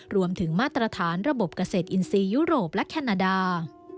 รวมถึงมาตรฐานระบบเกษตรอินทรีย์ยุโรปและแคนาดา